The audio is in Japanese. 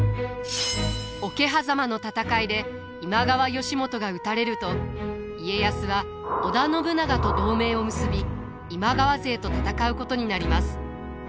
桶狭間の戦いで今川義元が討たれると家康は織田信長と同盟を結び今川勢と戦うことになります。